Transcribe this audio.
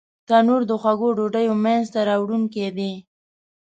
تنور د خوږو ډوډیو مینځ ته راوړونکی دی